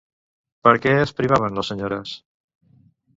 Per què es privaven les senyores?